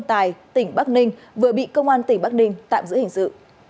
tài tỉnh bắc ninh vừa bị công an tỉnh bắc ninh tạm giữ hình sự